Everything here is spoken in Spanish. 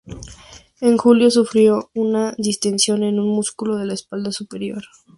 En julio sufrió una distensión en un músculo de la espalda superior.